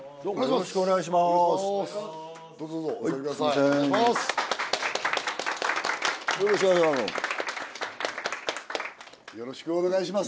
よろしくお願いします。